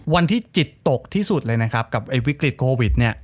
วันที่จิตตกที่สุดเลยนะครับกับวิกฤตโควิดเนี่ย